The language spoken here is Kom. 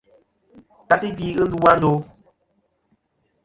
Kasi gvi ghɨ ndu a ndo.